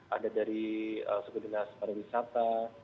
ada dari suku dinas pariwisata